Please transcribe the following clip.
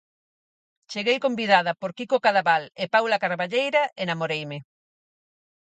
Cheguei convidada por Quico Cadaval e Paula Carballeira e namoreime.